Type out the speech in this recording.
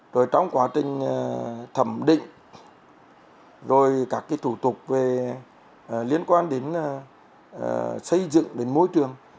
rồi trong quá trình thẩm định rồi các cái thủ tục liên quan đến xây dựng đến môi trường